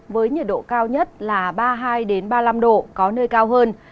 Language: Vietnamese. với nhiệt độ cao nhất là ba mươi hai ba mươi năm độ có nơi cao hơn